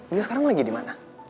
dio sekarang lagi dimana